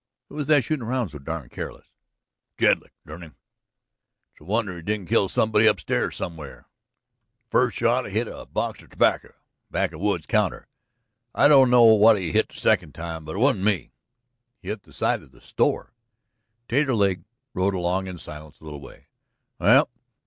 "Who was that shootin' around so darned careless?" "Jedlick, dern him!" "It's a wonder he didn't kill somebody upstairs somewhere." "First shot he hit a box of t'backer back of Wood's counter. I don't know what he hit the second time, but it wasn't me." "He hit the side of the store." Taterleg rode along in silence a little way.